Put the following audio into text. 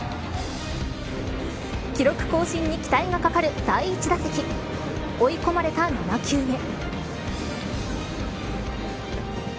記録更新に期待が懸かる第１打席追い込まれた７球目。